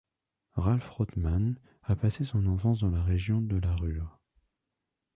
Ralf Rothmann a passé son enfance dans la région de la Ruhr.